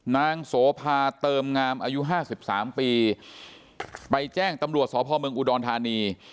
นางโสภาเติมงามอายุห้าสิบสามปีไปแจ้งตำรวจสพเมืองอุดรธานี